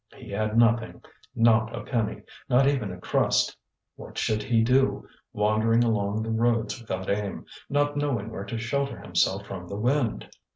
He had nothing, not a penny, not even a crust; what should he do, wandering along the roads without aim, not knowing where to shelter himself from the wind?